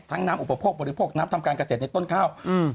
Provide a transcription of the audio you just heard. น้ำอุปโภคบริโภคน้ำทำการเกษตรในต้นข้าวอืม